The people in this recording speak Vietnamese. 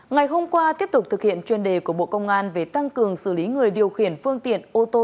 ngày hôm qua tiếp tục thực hiện chuyên đề của bộ công an về tăng cường xử lý người điều khiển phương tiện ô tô